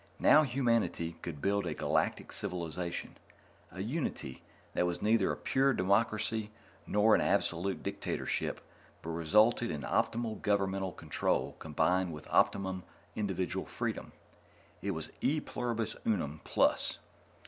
Now humanity could build a Galactic Civilization a unity that was neither a pure democracy nor an absolute dictatorship, but resulted in optimum governmental control combined with optimum individual freedom. It was e pluribus unum plus.